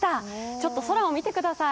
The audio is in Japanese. ちょっと空を見てください